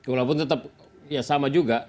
walaupun tetap ya sama juga